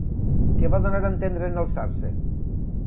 Què va donar a entendre en alçar-se?